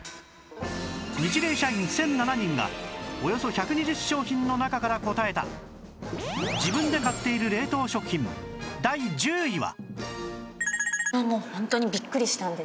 ニチレイ社員１００７人がおよそ１２０商品の中から答えた自分で買っている冷凍食品第１０位は